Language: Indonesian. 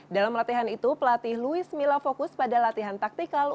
dalam latihan itu pelatih luis mila fokus pada latihan taktikal